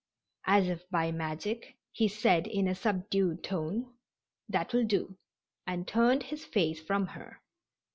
As if by magic he said in a subdued tone: "That will do," and turned his face from her.